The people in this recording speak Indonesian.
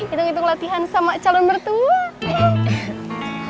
itu ngitung latihan sama calon bertua